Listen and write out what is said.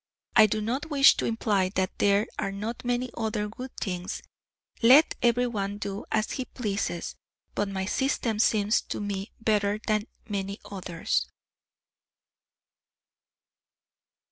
I do not wish to imply that there are not many other good things; let everyone do as he pleases; but my system seems to me better than many others.